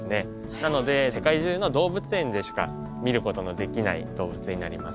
なので世界中の動物園でしか見ることのできない動物になります。